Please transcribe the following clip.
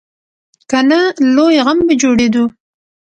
که نه، لوی غم به جوړېدو.